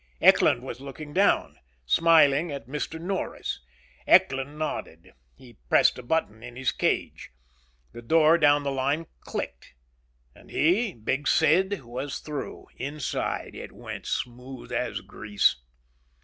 Eckland was looking down, smiling at "Mr. Norris." Eckland nodded. He pressed a button in his cage. The door down the line clicked. And he, Big Sid, was through, inside. It went smooth as grease.